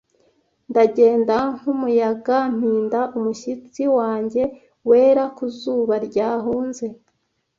Ndagenda nkumuyaga, mpinda umushyitsi wanjye wera ku zuba ryahunze,